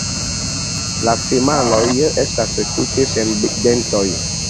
La femaloj estas tute sen dentoj.